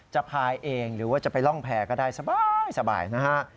พายเองหรือว่าจะไปร่องแพร่ก็ได้สบายนะฮะ